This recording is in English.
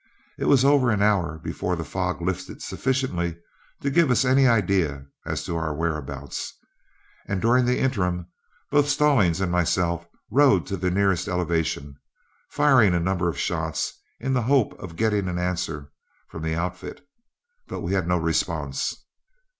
It was over an hour before the fog lifted sufficiently to give us any idea as to our whereabouts, and during the interim both Stallings and myself rode to the nearest elevation, firing a number of shots in the hope of getting an answer from the outfit, but we had no response.